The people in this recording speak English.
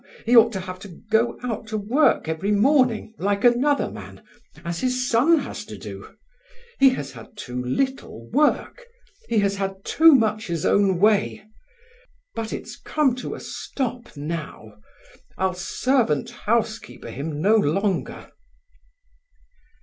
He ought to have to go out to work every morning, like another man, as his son has to do. He has had too little work. He has had too much his own way. But it's come to a stop now. I'll servant housekeeper him no longer."